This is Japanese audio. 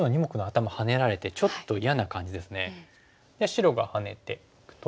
白がハネていくと。